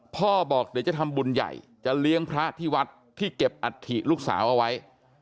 พ่อบอกเดี๋ยวจะทำบุญใหญ่จะเลี้ยงพระที่วัดที่เก็บอัฐิลูกสาวเอาไว้